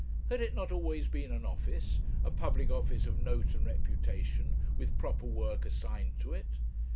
had it not always been an office, a public office of note and reputation, with proper work assigned to it?